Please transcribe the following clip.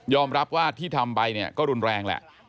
รับว่าที่ทำไปเนี่ยก็รุนแรงแหละ